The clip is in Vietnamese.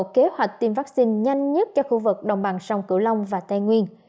kế hoạch tiêm vaccine nhanh nhất cho khu vực đồng bằng sông cửu long và tây nguyên